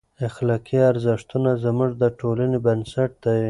اخلاقي ارزښتونه زموږ د ټولنې بنسټ دی.